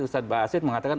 ustadz basit mengatakan